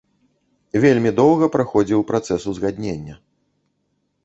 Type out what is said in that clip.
Вельмі доўга праходзіў працэс узгаднення.